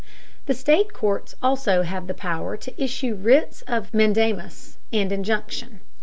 The state courts also have the power to issue writs of mandamus and injunction.